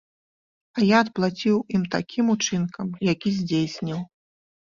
А я адплаціў ім такім учынкам, які здзейсніў.